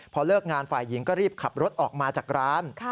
พอเลิกงานฝ่ายหญิงก็รีบขับรถออกมาจากร้าน